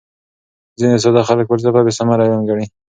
ځیني ساده خلک فلسفه بېثمره علم ګڼي.